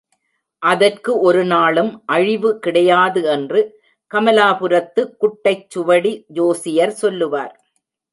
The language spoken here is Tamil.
அதற்கு ஒரு நாளும் அழிவு கிடையாது என்று கமலாபுரத்து குட்டைச்சுவடி ஜோசியர் சொல்லுவார்.